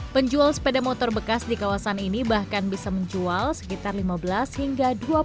penjual sepeda motor bekas di kawasan ini bahkan bisa menjual sekitar lima belas hingga dua puluh